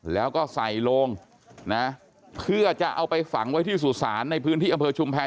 แล้วก็ใส่โลงนะเพื่อจะเอาไปฝังไว้ที่สุสานในพื้นที่อำเภอชุมแพร